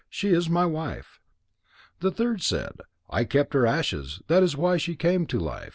She is my wife." The third said: "I kept her ashes. That is why she came to life.